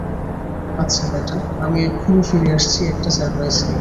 আচ্ছা, বেটা, আমি এক্ষুণি ফিরে আসছি একটা সারপ্রাইজ নিয়ে।